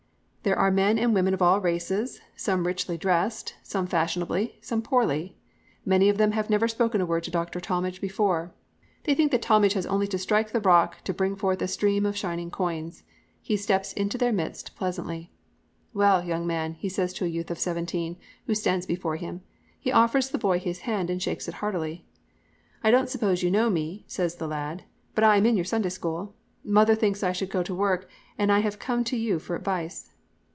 There are men and women of all races, some richly dressed, some fashionably, some very poorly. Many of them had never spoken a word to Dr. Talmage before. They think that Talmage has only to strike the rock to bring forth a stream of shining coins. He steps into their midst pleasantly. "'Well, young man,' he says to a youth of seventeen, who stands before him. He offers the boy his hand and shakes it heartily. "'I don't suppose you know me,' says the lad, 'but I'm in your Sunday School. Mother thinks I should go to work and I have come to you for advice.'